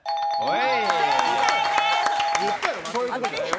正解です。